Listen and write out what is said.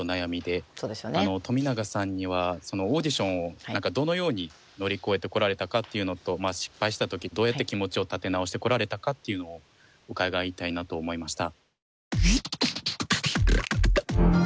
冨永さんにはオーディションをどのように乗り越えてこられたかっていうのと失敗した時どうやって気持ちを立て直してこられたかっていうのを伺いたいなと思いました。